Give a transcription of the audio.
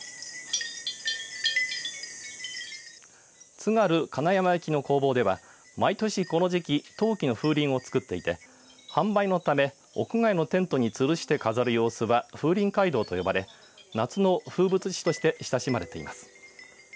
津軽金山焼の工房では毎年この時期陶器の風鈴を作っていて販売のため屋外のテントにつるして飾る様子は風鈴街道と呼ばれ夏の風物詩として親しまれています。